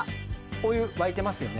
お湯沸いてますよね。